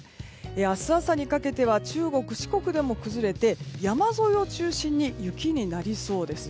明日朝にかけては中国・四国でも崩れて山沿いを中心に雪になりそうです。